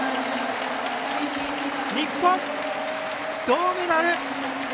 日本、銅メダル！